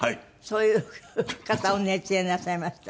そういう方を熱演なさいました。